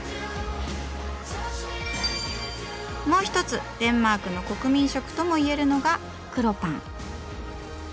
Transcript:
もう一つデンマークの国民食とも言えるのが黒パン。